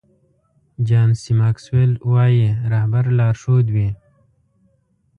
جان سي ماکسویل وایي رهبر لارښود وي.